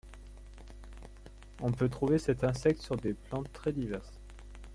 On peut trouver cet insecte sur des plantes très diverses.